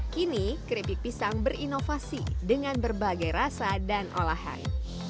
kini keripik pisang berinovasi dengan berbagai rasa dan olahan